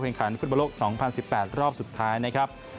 ขันฟุตบอลโลก๒๐๑๘รอบสุดท้ายนะครับ